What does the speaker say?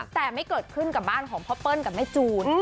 แต่ไม่เกิดขึ้นกับบ้านของพ่อเปิ้ลกับแม่จูน